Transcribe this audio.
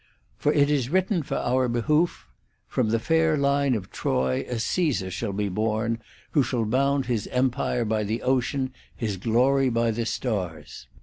For it is written for our behoof : 'From the fair line of Troy a Caesar shall be born, who shall bound his empire by the ocean, his glory by the stars'.